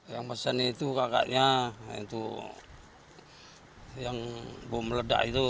yang pesannya itu kakaknya yang bom ledak itu